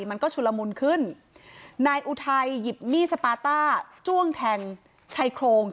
มันก็ชุระมูลขึ้นนายอุทัยหยิบหนี้สปาต้าจ้วงแทงชายโครงอบซุ